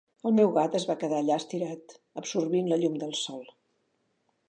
El meu gat es va quedar allà estirat, absorbint la llum del sol.